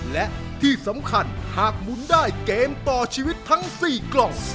และที่สำคัญหากหมุนได้เกมต่อชีวิตทั้ง๔กล่อง